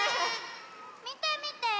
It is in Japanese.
みてみて。